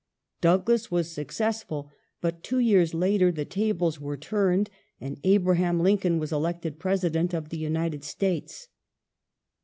Douglas was successful, but two years later the tables were turned and Abraham Lincoln was elected President of the United States.